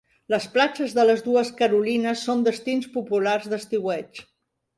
Les platges de les dues Carolinas són destins populars d'estiueig.